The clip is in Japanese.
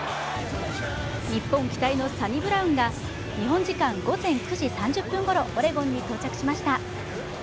日本期待のサニブラウンが日本時間午前９時３０分ごろオレゴンに到着しました。